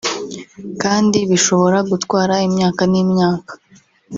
kandi bishobora gutwara imyaka n’imyaka